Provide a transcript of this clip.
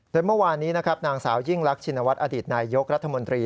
โดยเมื่อวานนี้นางสาวยิ่งลักษณ์ชินวัฒน์อดิษฐ์นายยกรัฐมนตรี